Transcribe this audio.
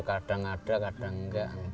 kadang ada kadang enggak